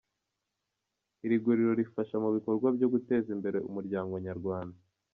Iri guriro rifasha mu bikorwa byo guteza imbere umuryango Nyarwanda.